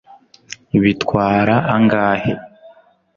bitwara angahe